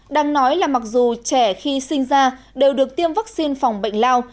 đang nói là mặc dù trẻ khi sinh ra đều được tiêm vaccine phòng bệnh lao